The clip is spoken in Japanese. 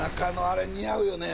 あれ似合うよね